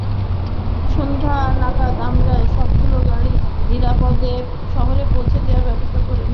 সন্ধ্যা নাগাদ আমরা সবগুলো গাড়ি নিরাপদে শহরে পৌঁছে দেওয়ার ব্যবস্থা নিয়েছি।